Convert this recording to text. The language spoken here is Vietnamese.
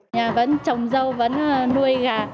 nhà vẫn trồng rau vẫn nuôi gà